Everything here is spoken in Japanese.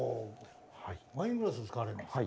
ワイングラス使われるんですか？